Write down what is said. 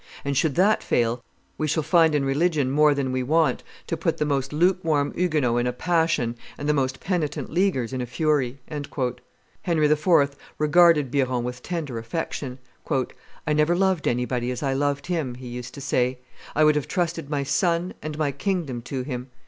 And, should that fail, we shall find in religion more than we want to put the most lukewarm Huguenots in a passion and the most penitent Leaguers in a fury." Henry IV. regarded Biron with tender affection. I never loved anybody as I loved him," he used to say; "I would have trusted my son and my kingdom to him.